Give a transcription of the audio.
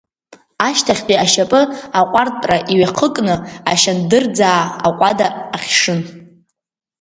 Ашьҭахьтәи ашьапы аҟәартәра иҩахыкны ашьандырӡаа аҟәада ахьшын.